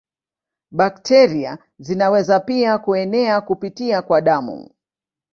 Bakteria zinaweza pia kuenea kupitia kwa damu.